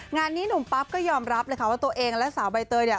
งานนี้หนุ่มปั๊บก็ยอมรับเลยค่ะว่าตัวเองและสาวใบเตยเนี่ย